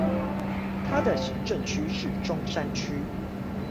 他的行政區是中山區